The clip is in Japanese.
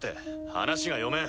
話が読めん。